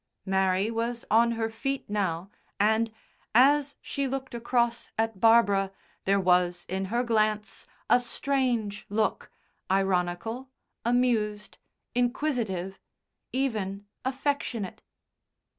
Mary was on her feet now and, as she looked across at Barbara, there was in her glance a strange look, ironical, amused, inquisitive, even affectionate.